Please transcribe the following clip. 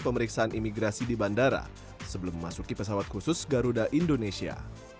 pemeriksaan imigrasi di bandara sebelum memasuki pesawat khusus garuda indonesia